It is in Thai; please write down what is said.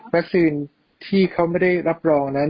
วัคซีนที่เขาไม่ได้รับรอง